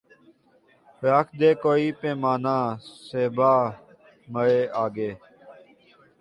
رکھ دے کوئی پیمانۂ صہبا مرے آگے